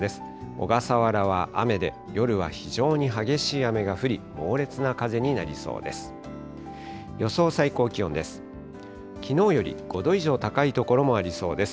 小笠原は雨で、夜は非常に激しい雨が降り、猛烈な風になりそうです。